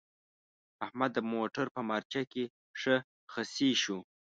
احمد د موټر په مارچه کې ښه خصي شو.